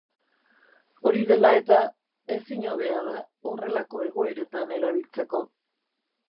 Hori dela eta, ezin hobea da horrelako egoeretan erabiltzeko.